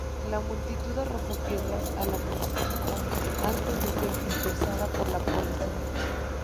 La multitud arrojó piedras a la mezquita antes de ser dispersada por la policía.